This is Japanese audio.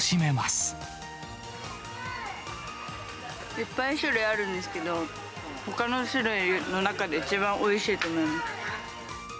いっぱい種類あるんですけれども、ほかの種類の中で一番おいしいと思います。